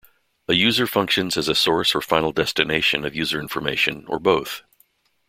A user functions as a source or final destination of user information, or both.